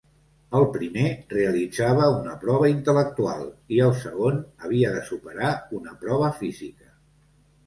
El primer realitzava una prova intel·lectual, i el segon havia de superar una prova física.